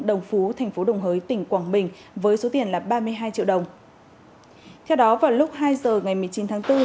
đồng phú thành phố đồng hới tỉnh quảng bình với số tiền là ba mươi hai triệu đồng theo đó vào lúc hai giờ ngày một mươi chín tháng bốn